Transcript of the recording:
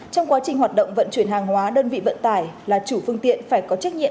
trong quá trình hoạt động vận chuyển hàng hóa đơn vị vận tải là chủ phương tiện phải có trách nhiệm